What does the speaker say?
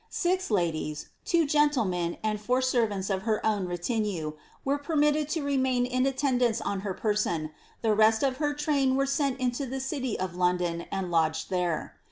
Six ladies, two gentlemen, and four servants of her own retinue, were permitted to remain in attendance on her person, the rest of her train were sent into the city of London and lodged there.